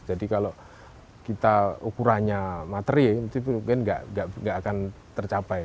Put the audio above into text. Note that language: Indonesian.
jadi kalau kita ukurannya materi itu mungkin tidak akan tercapai